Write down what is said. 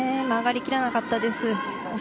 曲がりきらなかったです。